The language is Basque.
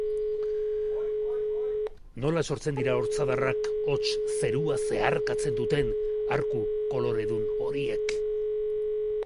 Nola sortzen dira ortzadarrak, hots, zerua zeharkatzen duten arku koloredun horiek?